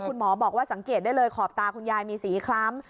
คุณหมอบอกว่าสังเกตได้เลยขอบตาคุณยายมีสีคล้ำ